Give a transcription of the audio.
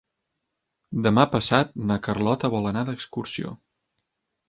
Demà passat na Carlota vol anar d'excursió.